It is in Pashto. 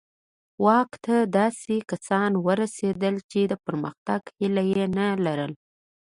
واک ته داسې کسان ورسېدل چې د پرمختګ هیله یې نه لرله.